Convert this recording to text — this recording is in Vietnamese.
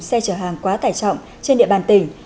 xe chở hàng quá tải trọng trên địa bàn tỉnh